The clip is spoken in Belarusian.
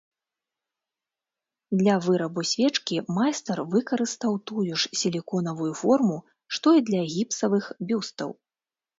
Для вырабу свечкі майстар выкарыстаў тую ж сіліконавую форму, што і для гіпсавых бюстаў.